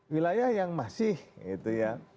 wilayah yang masih itu ya